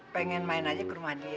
pengen main aja ke rumah dia